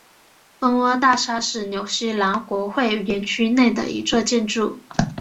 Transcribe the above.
蜂窝大厦是纽西兰国会园区内的一座建筑。